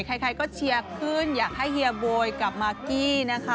ใครก็เชียร์ขึ้นอยากให้เฮียโบยกับมากกี้นะคะ